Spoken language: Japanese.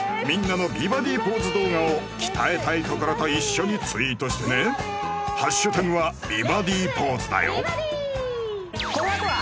みんなの美バディポーズ動画を鍛えたいところと一緒にツイートしてね＃は美バディポーズだよ